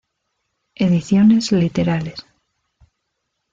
Ediciones Literales.